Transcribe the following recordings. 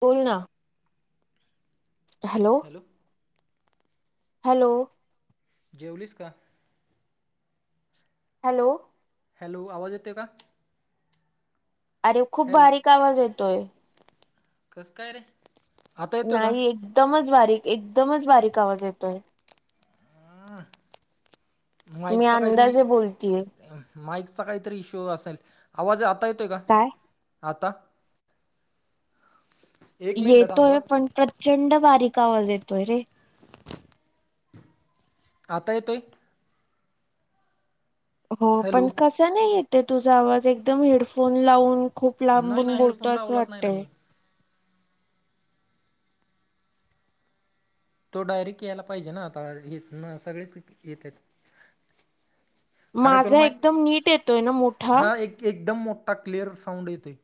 बोल ना hello hello जेवलीस का हॅलो हॅलो आवाज येतो का अरे खूप हॅलो बारीक आवाज येतोय कसं काय रे आता येतोय का नाही एकदमच बारीक एकदमच बारीक आवाज येतोय हा मी अंदाजे बोलतीय माईकचा काहीतरी इशू असेल आवाज आता येतोय का काय आता एक मिनटं थांब येतोय पण प्रचंड बारीक आवाज येतोय रे आता येतोय हो पण हॅलो कसा नाही येते तुझा आवाज एकदम हेडफोन लावून खुप नाही ना लांबून बोलतो हेडफोन असं लावलाच नाही ना वाटतय मी तो डायरेक्ट यायला पाहिजे ना आता हितन सगळेच येतेत अरे तुला माझा एकदम नीट येतोय ना माहित मोठा हा एक एकदम मोठ आता क्लिअर साऊंड येतोय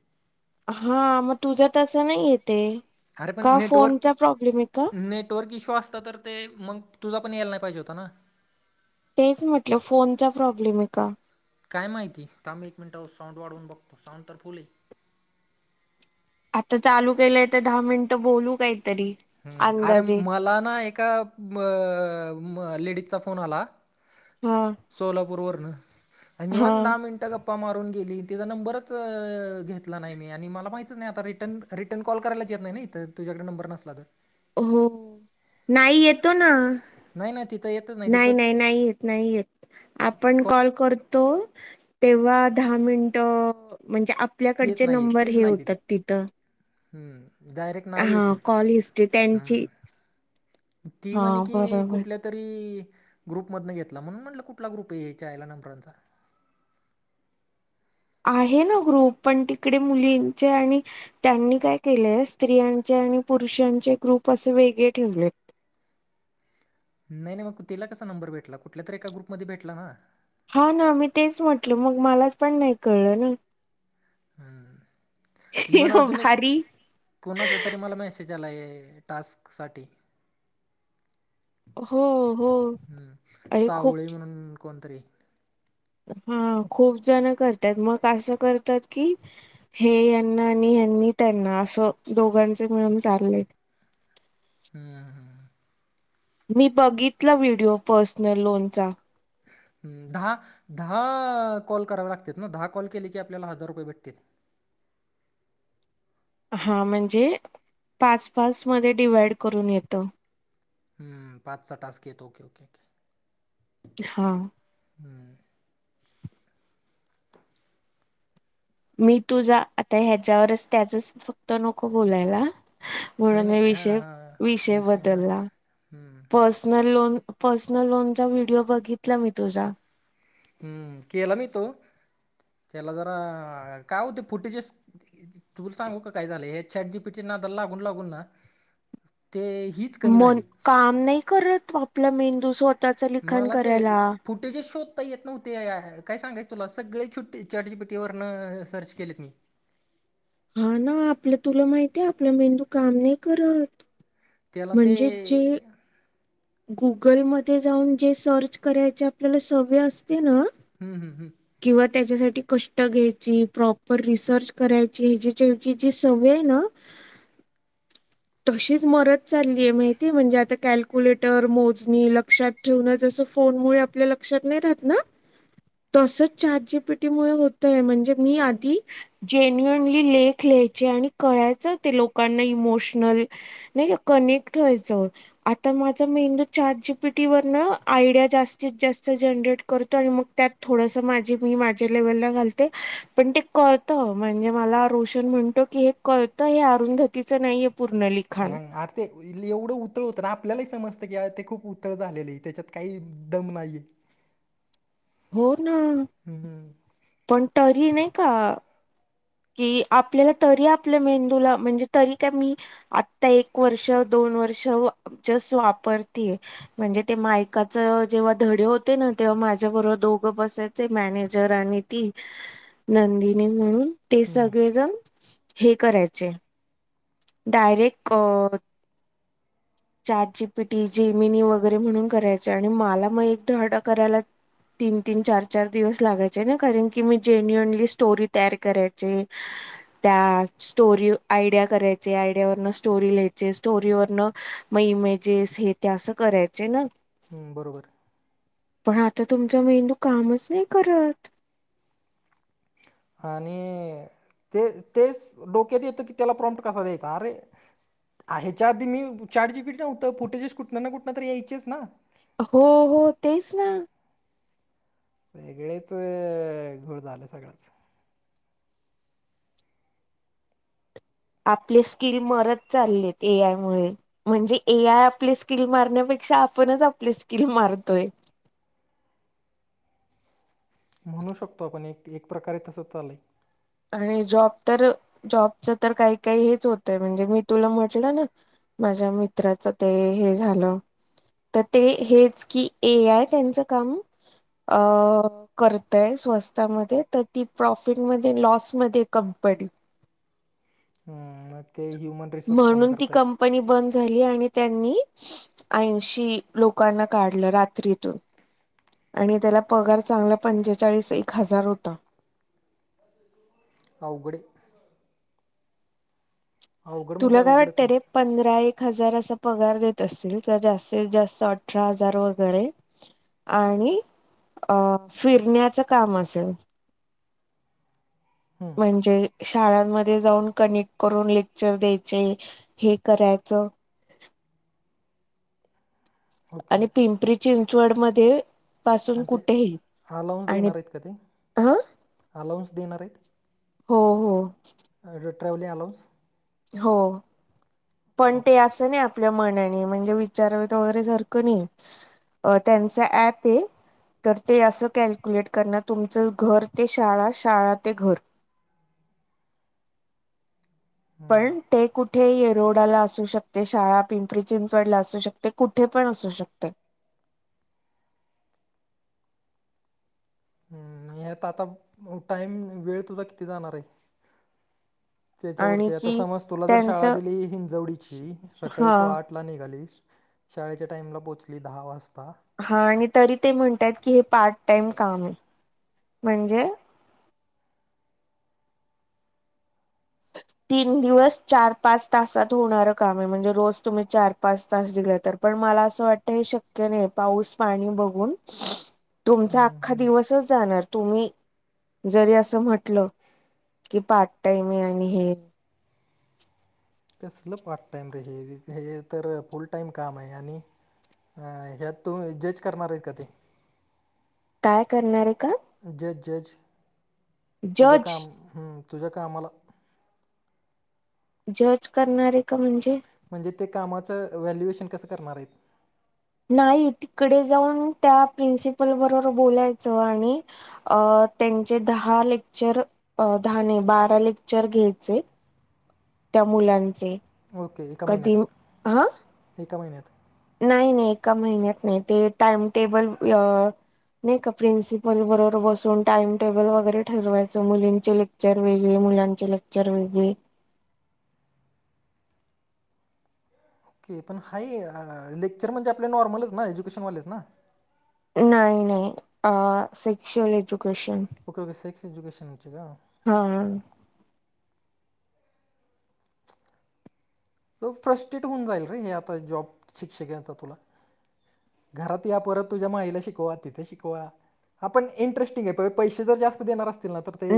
हा मग तुझं तसं नाहीये ते अरे पण का फोनचा प्रॉब्लेम आहे का इशू असता तर ते मग तुझा पण यायला नाही पाहिजे होता ना तेच म्हटलं फोनचा प्रॉब्लेम आहे का काय माहिती थांब एक मिनिटावर साऊंड वाढवून बघतो साऊंड तर फुल्ल आहे तर चालू केलंय तर दहा मिनिट बोलू काही हम् अरे मला ना एका अ लेडीजचा फोन आला हा सोलापूर वरन हा आणिवण दहा मिनिटं गप्पा मारून केली त्याचा नंबरच घेतला नाही मी आणि मला माहितच नाही आता रिटन रिटर्न कॉल करायलाच येत नाही तर तुझ्याकडे नंबर नसला तर हो नाही येतो ना नाही ना तिथं येतच नाही तिथं नाही नाही येत नाही येत आपण कॉल करतो तेव्हा दहा मिनट म्हणजे येत आपल्याकडचे नंबर हे होतात तिथं हम्म हा कॉल हिस्ट्री त्यांची हम्म. ती हा म्हणे की बरोबर कुठल्या तरी ग्रुप मधन घेतला म्हणून म्हटलं कुठला ग्रुप आहे याच्याल्या नंबरचा आहे ना ग्रुप पण तिकडे मुलींचे आणि त्यांनी काय केलंय स्त्रियां- आणि पुरुषांचे ग्रुप असे वेगळे ठेवलेत नाही नाही मग तेला कसा नंबर भेटला कुठल्या तररी एका ग्रुप मध्ये भेटला ना हा ना मी तेच म्हटल मग मलाच पण नाही कळलं ना ह इव्हन आधुून भारी कोणाचा तरी मला मेसेज टास्क साठी हो हो अआणि खूप एकोणत्र्री हा खूप जण करतात मग असं करतात की हेना त्यांनी त्यांना असं दोघांचे मिळून चालले [inaudible] हम्म. मी बघितला व्हिडिओ पर्सनल लोनचा हम्म दहा दहा कॉल करावे लागत ना दहा कॉल केले की आपल्याला हजार रुपये भेटते [inaudible] हा म्हणजे पाच पाच मध्ये डिवा्हाइड करून येत हम्म पाच स टासक येतो ओके ओके ओके हा हम मी तुझा आता ह्याच्यावरच त्याचच फक्त नको बोलायला. नाही म्हणून मी नाही विष हां हां विषय हां बदलला. हम्म. पर्सनल लोन पर्सनल लोनचा व्हिडिओ बघितला मी तुझा हम्म केला मी तो त्याला जरा काय होते फुटेजेस तुला सांगू का काय झालं हे चाट जीपीटीने नादाला लागुन लागुन ना, ते हीच कमी मन झाली काम नाही करत आपला मेंदूस वाट मला ते फुटेजच शोध ता येत नव्हते काय सांगायच तुला सगळेट चाट जीटीपिटी वरन सर्च केलेत मी हा ना आपलं तुला माहिती आहे आपला मेंदू काम नाही करत. त्याला ते म्हणजे जे गुगलमध्ये जाऊन जे सर्च करायचे आपल्याला सवय अस ते ना हम्म हम्म हम्म किवां त्याच्यासाठी कष्ट घ्यायची प्रॉपर रिसर्च करायची ह्याचीची जी सवय आहे ना, तशीच मरत चाललीय माहिती म्हणजे आता कल्क्युलेट मोजणी लक्षात ठेव फोन मुळे आपल्या लक्षात नाही राहत ना तसच चॅटजीपीटीमुळे होतय म्हणजे मी आधी जेन्युनली लेख कळायच लोकांना इमोशन कनेक्ट व्हायच आता, मेंदू चाट जीपीटी व आयडिया जास्तीत जास्त जनरेट करतो आणि मग त्या थोड माझ मी माझ्या लेवलला घालते पण ते करत म्हणजे मला रोशन म्हणतो की, कळत हे अरुंधतीचं नाही. ह आर ते एवढं उतळ होतं ना आपल्यालाही समजत ते खूप उतर झालेले आहे त्याच्यात काही दम नाहीये. हो ना हम्म हम् पण तरी नाही का, की आपल्याला तरी आपल्या मेंदूला म्हणजे तरी काय मी आता एक वर्ष दोन वर्ष जस्ट वापरते आहे. म्हणजे [unintelligible] जेव्हा धडे होते. माझ्या बरोबर दोघं बसायचे मॅनेजर आणि ती नंदिनी म्हणून ते हम्म सगळेजण हे करायचे डायरेक्ट अ ह चाट जीपीटी जेमिनी वगैरे म्हणून करायचे आणि मला मग एक धडा करायला. तीन तीन चार चार दिवस लागायचे ना कारण की मी जेन्युअनली स्टोरी तयार करायच. त्या स्टोरी आयडिया करायच. आयडिया वरून स्टोरी मग इमेजेस हे ते असं करायचे ना, हम्म बरोबर पण आता तुमचा मेंदू कामच नाही करत. आणि ते तेच डोक्यात येतं की त्याला प्रॉमट कसा द्याचा अरे ह्याच्या आधी मी चाट जिपिटी नव्हतं चफुटेजेस कुठं ना कुठं तरी यायचेच ना. हो हो तेच ना सगळेच घोळ झाले सगळंच आपले स्किल मरत चाललेत ए आय मुळे म्हणजे ए आय आपले स्किल मारण्यापे ेक्षा आपणच आपली स्किल मारतोय. म्हणू शकतो आपण एक एक प्रकारे तसं चालय. आणि जॉब तर जॉबच तर काही काही हेच होतय म्हणजे मी तुला म्हटलं ना, माझ्या मित्राच ते हे झालं. तर ते हेच की ए आहेय त्यांचं काम करतय स्वस्तमध्ये तर त प्रफिटमध्ये लस कंपनी हम म म्हणून ती कंपनी बंद झाली आणि त्यांनी ऐंशी लोकांना काढलं रात्रीतून आणि त्याला पगार चांगला पंचेचाळीस एक हजार होता अघडे तुला काय अवघडच वाटतं आहे. रे पंधरा एक हार पार देत अस जास्तीत जात अठरा हजार वगरे आणि अ फिरण्याचं काम असेल हम्म म्हणजे शाळांमध्ये जाऊन कनेक् करून ले चर द्यायचे हे करायचं ओके आणि पिंपरी चिंचवड मध्ये पासून आणि ते कुठेही अलाउन्स आणि देणार आहेत का ते? हं अलाउन्स देणार हो हो ट्रॅ्हलिंग अलाऊ्स हो पण ओके ते असं नाही आपल्या म्हनाने म्हणजे विचार वगैरे सारखं नाही त्यांचा ऍप आहे तर ते असं कॅल्क्युलेट करण तुमचं घर ते शाळा शाळा ते घर हम्म पण ट कुठे ये रोडाला असू शकते शाळा पिंपरी चिंचवडला असू शकते कुठे पण असू शकते हम्मता आता टाईम वेळ तुझा किती जाणार आहे आणि त्याच्यावरती आता कि समज तुला जर शाळा त्यांचं दिली हिंजवडीची सकाळी हा तू आठ ला निघालीस शाळेच्या टाइमला पोहोचली दहा वाजता हा आणि तरी ते म्हणतय की हे पार्ट टाइम काम आहे म्हणजे तीन दिवस चार पाच तासात होणार काम आहे म्हणजे रोज तुम्ही चार पाच तास दिला तर पण मला असं वाटत हे शक्य नाही पाऊस पाणी बघून तुमचा हम्म अख्खा हम्म दिवसच जाणार तुम्ही जरी असं म्हटलं की पार्ट टाईम आहे आणि हे कसलं पार्ट टाइम रे हे तर फुल टाइम काम आहे आणि अ ह्यात तू जज करणार आहेत का ते काय करणार आहे का जज जज तुझ जज काम तुझ्या कामाला जज करणारय का म्हणजे म्हणजे ते कामाच व्हॅल्युएशन कसं करणार आहेत नाही तिकडे जाऊन त्या प्रिन्सिपल बरोबर बोलायचं आणि त्यांचे दहा लेक्चर अ दहा नाय बारा लेक्चर घ्यायचे त्या मुलांचे ओके एका कधी हा महिन्यात एका महिन्यात नाही नाही एका महिन्यात नाही ते टाइमटेबल नाही का प्रिन्सिपल बरोबर बसून टाइम टेबल वगैरे ठरवायचं मुलींचे लेक्चर वेगळे मुलांचे लेक्चर वेगळे ओके पण हाय लेक्चर म्हणजे आपले नॉर्मलच ना एज्युकेशनवालेच ना नाही नाही अ सेक्शुल येजू सेक्स एड्युकेशन नची का हा [unintelligible] फ्रस्टेट होऊन जाईल र हे आता जॉब शिक्षकचा तुला घरात या परत तुझ्या माईला शिकवा तिथे शिकवा हा पण इंटरस्टिंग आहे प पैसे जर जास्त देणार असत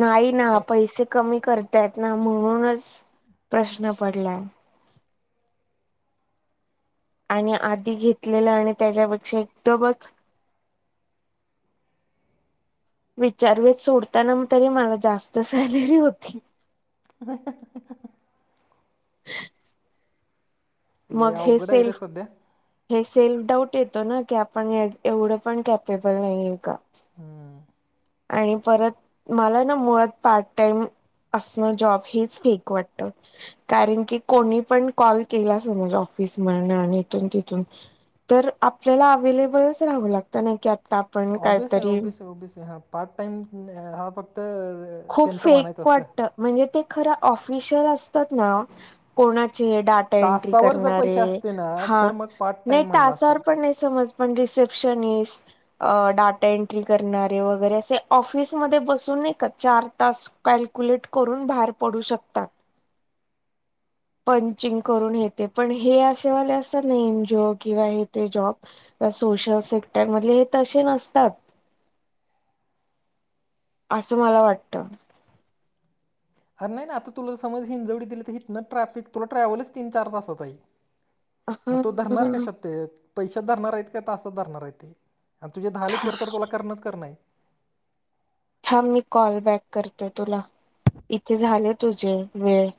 नाही ना पैसे कमी करतायत ना म्हणूनच प्रश्न पडला आणि आधी घेतलेलं आणि त्याच्यापेक्षा एकदमचहा [unintelligible] विचारवेेत सोडतानांतरी मला जास्त सॅलरी होती [inaudible] लय मग हे अवघड आहे रे सेल्फ सध्या हे सेल्फ डाऊट येतो ना की आपण एवढं पण कॅपेबल नाहीे का हम्म आणि परत मला ना मुळात पार्ट टाइम असणं जॉब हेच फेक वाटत कारण की कोणी पण कॉल केला अस जॉब ऑफीस मिळण आणि इथून तिथून तर आपल्याला अवेलेबलच राहावं लागत नाही की आपण ओबेस काहीतरी ओबेस [unintelligible] खूप फेक वाटत म्हणजे ते खरं ऑफिशिल असत तात ना कोणाची डाटा एन्ट्री तासावर जर करणारे पैसे असते ना हा तर मग पार्ट नाही टाइम ता म्हणलं असतं सावर पण नाही समज पण रिसेप्शनिस्ट, डाटा एंट्री करणारे वगैरे असे ऑफिसमध्ये बसून नाही का चार तास कॅल्क्युलेट करून बाहेर पडू शकतात. [inaudible] पंचिंग करून हे ते पण हे अशेवाले असतात ना एंजिओ किंवा हे ते जॉब सोशल सेक्टर मधले हे तसे नसतात. [inaudible] असं मला वाटतं अरे नाही ना आता तुला समज हिंजवडी दिली तर हितंन ट्रॅफिक तुला ट्रॅव्हलच तीन चार तासाचं आहे मग तो धरणार ह कशात तेेत पैशात धरणार आहेत काय तासात धरणार आहेत ते आणि तुझे दहा लेक्चर तर तुला करणंच करणं आहे. थाम मी कॉल बॅक करते तुला इथे झाले तुझे वेळ.